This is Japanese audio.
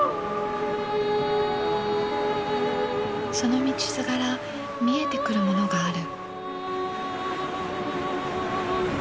その道すがら見えてくるものがある。